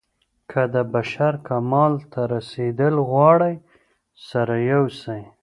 که د بشر کمال ته رسېدل غواړئ سره يو سئ.